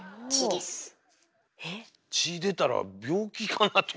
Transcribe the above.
血出たら病気かなとか。